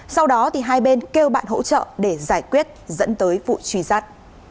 sau đó hai bên kêu bạn hỗ trợ để giải quyết dẫn tới vụ truy sát